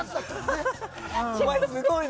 お前、すごいな。